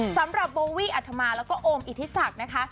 สำหรับโบวี่อัธมาแล้วก็โอมอิทธิศักดิ์นะคะ